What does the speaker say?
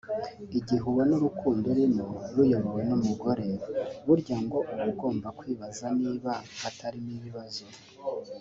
Igihe ubona urukundo urimo ruyobowe n’umugore burya ngo uba ugomba kwibaza niba hatarimo ibibazo